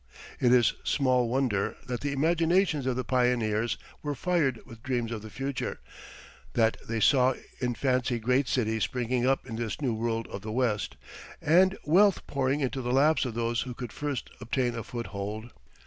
It is small wonder that the imaginations of the pioneers were fired with dreams of the future, that they saw in fancy great cities springing up in this new world of the West, and wealth pouring into the laps of those who could first obtain a foothold.